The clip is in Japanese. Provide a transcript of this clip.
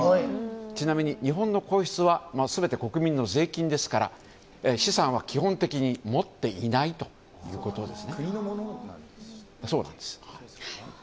ちなみに日本の皇室は全て国民の税金ですから資産は基本的に持っていないということです。